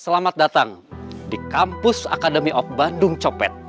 selamat datang di kampus academy of bandung copet